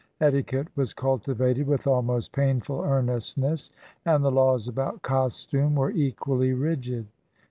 Etiquette was cultivated with almost painful earnestness, and the laws about costume were equally rigid.